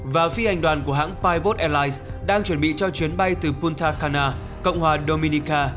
và phi hành đoàn của hãng pivos airlines đang chuẩn bị cho chuyến bay từ punta khana cộng hòa dominica